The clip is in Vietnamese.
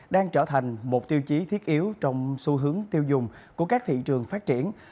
đang trở thành một tiêu chí thiết yếu trong xu hướng tiêu dùng của các thị trường phát triển